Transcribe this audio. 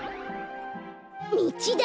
みちだ！